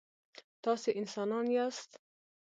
تاسي انسانان یاست.